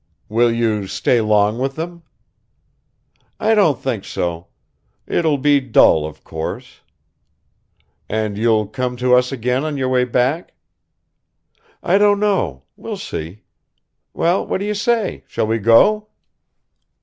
"Will you stay long with them?" "I don't think so. It will be dull, of course. "And you'll come to us again on your way back." "I don't know ... we'll see. Well, what do you say? Shall we go?"